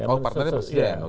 oh partnernya presiden